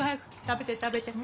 食べて食べて。